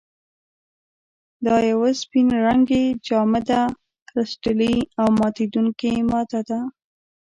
دا یوه سپین رنګې، جامده، کرسټلي او ماتیدونکې ماده ده.